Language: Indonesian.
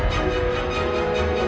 tante itu sudah berubah